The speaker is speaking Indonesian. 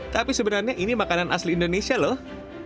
tapi sebenarnya ini makanan asli indonesia loh